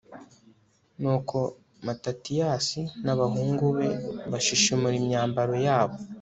nuko matatiyasi n'abahungu be bashishimura imyambaro yabo